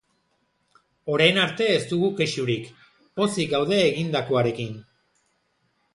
Orain arte ez dugu kexurik, pozik gaude egindakoarekin.